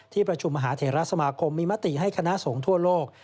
ที่ประชุมมหาเทราสมาคมมีมติให้คณะสงฆ์ทั่วโลก